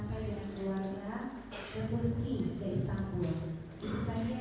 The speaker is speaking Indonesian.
pada waktu itu terdakwa dua itu